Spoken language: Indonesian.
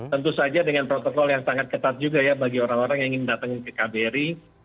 tentu saja dengan protokol yang sangat ketat juga ya bagi orang orang yang ingin datang ke kbri